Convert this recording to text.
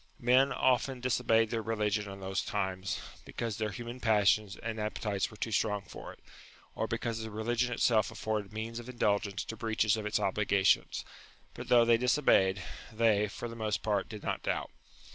Men often disobeyed their religion in those times, because their human passions and appetites were too strong for it, or because the religion itself afforded means of indulgence to breaches of its obligations; but though they disobeyed, they, for the most part, did not doubt.